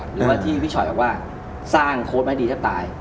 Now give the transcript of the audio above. หรือว่าที่พี่ฉอยบอกว่าสร้างโค้ดไม่ดีแทบตาย